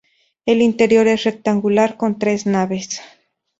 El interior es rectangular con tres naves.